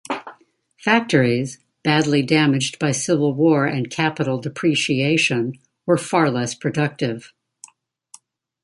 Factories, badly damaged by civil war and capital depreciation, were far less productive.